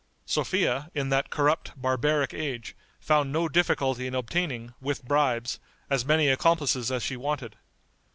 Sophia, in that corrupt, barbaric age, found no difficulty in obtaining, with bribes, as many accomplices as she wanted.